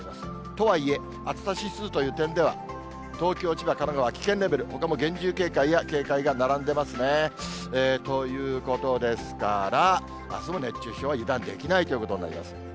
とはいえ、暑さ指数という点では、東京、千葉、神奈川、危険レベル、ほかも厳重警戒や警戒が並んでいますね。ということですから、あすも熱中症は油断できないということになります。